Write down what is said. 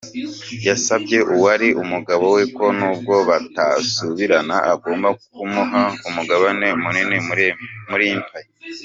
Yasabye uwari umugabo we ko nubwo batasubirana agomba kumuha umugabane munini muri Empire.